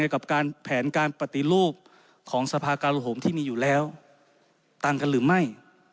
กับการแผนการปฏิรูปของสภาการห่มที่มีอยู่แล้วต่างกันหรือไม่